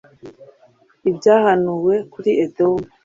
Ibyahanuwe kuri Edomu